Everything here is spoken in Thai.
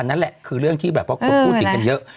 นั่นแหละคือเรื่องที่แบบว่าคนพูดถึงกันเยอะ